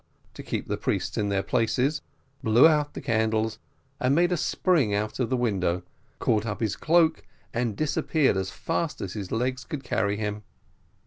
to keep the priests in their places, blew out the candles, made a spring out of the window, caught up his cloak, and disappeared as fast as his legs could carry him.